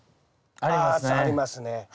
あありますね。